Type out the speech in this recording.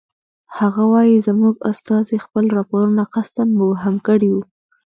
هغه وایي زموږ استازي خپل راپورونه قصداً مبهم کړی وو.